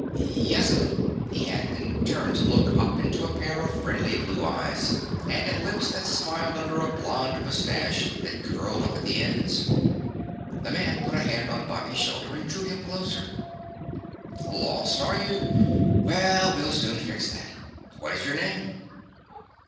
"Yes'm," he added and turned to look up into a pair of friendly blue eyes and at lips that smiled under a blond mustache that curled up at the ends. The man put a hand on Bobby's shoulder and drew him closer. "Lost, are you? Well, we'll soon fix that. What is your name?"